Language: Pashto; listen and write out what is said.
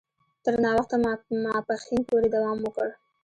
تر ناوخته ماپښین پوري دوام وکړ.